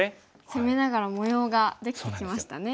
攻めながら模様ができてきましたね。